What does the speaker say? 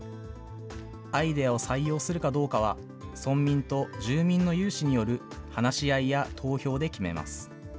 アイデアを採用するかどうかは、村民と住民の有志による話し合いや投票で決めます。